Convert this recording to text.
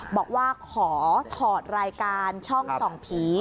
บอกว่าขอถอดรายการช่องส่องผี